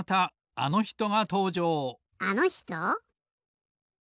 あのひと？